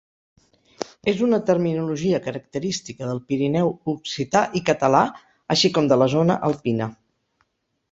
És una terminologia característica del Pirineu occità i català, així com de la zona alpina.